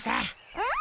うん。